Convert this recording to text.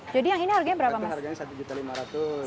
jadi yang ini harganya berapa mas